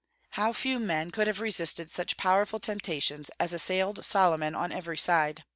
How few men could have resisted such powerful temptations as assailed Solomon on every side!